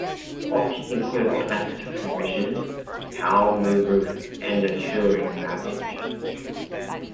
Options included automatic transmission, power moonroof, and the Touring Package.